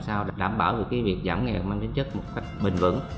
sao đảm bảo việc giảm nghèo mang đến chất một cách bình vẩn